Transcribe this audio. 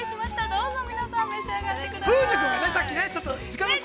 どうぞ皆さん、召し上がってください。